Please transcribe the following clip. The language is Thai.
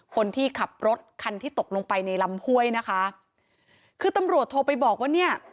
คนที่ขับรถคันที่ตกลงไปในลำห้วยนะคะคือตำรวจโทรไปบอกว่าเนี่ย